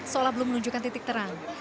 seolah belum menunjukkan titik terang